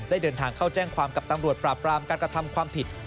เดินทางเข้าแจ้งความกับตำรวจปราบรามการกระทำความผิด